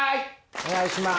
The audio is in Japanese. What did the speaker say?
お願いします。